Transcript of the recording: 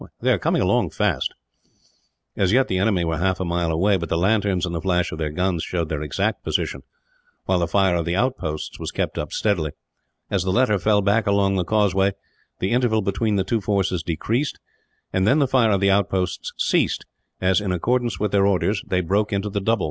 They are coming along fast." As yet the enemy were half a mile away, but the lanterns and the flash of their guns showed their exact position, while the fire of the outposts was kept up steadily. As the latter fell back along the causeway, the interval between the two forces decreased; and then the fire of the outposts ceased as, in accordance with their orders, they broke into the double.